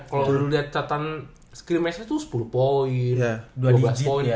kalau lo liat catan screen matchnya tuh sepuluh poin dua delapan poin